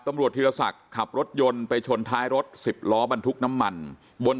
ตำรวจธิรษัทขับรถยนต์ไปชนท้ายรถ๑๐ล้อบันทุกน้ำมันบน